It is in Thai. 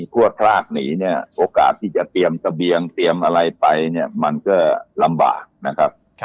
พวกพรากหนีเนี่ยโอกาสที่จะเตรียมเสบียงเตรียมอะไรไปเนี่ยมันก็ลำบากนะครับ